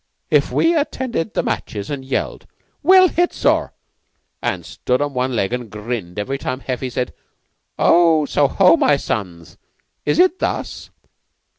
"If we attended the matches an' yelled, 'Well hit, sir,' an' stood on one leg an' grinned every time Heffy said, 'So ho, my sons. Is it thus?